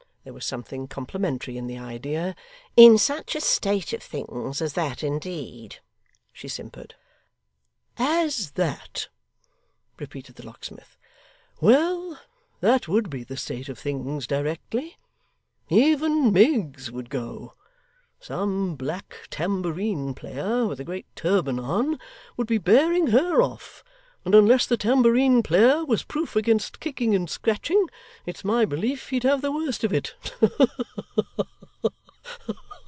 There was something complimentary in the idea. 'In such a state of things as that, indeed ' she simpered. 'As that!' repeated the locksmith. 'Well, that would be the state of things directly. Even Miggs would go. Some black tambourine player, with a great turban on, would be bearing HER off, and, unless the tambourine player was proof against kicking and scratching, it's my belief he'd have the worst of it.